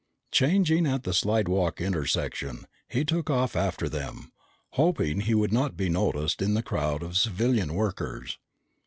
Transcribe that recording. Changing at the slidewalk intersection, he took off after them, hoping he would not be noticed in the crowd of civilian workers.